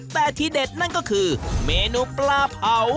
แต่ที่เด็ดนั่นก็คือเมนูปลาเผา